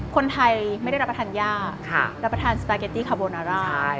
คนไทยไม่ได้รับประทานย่ารับประทานสปาเกตตี้คาโบนาร่า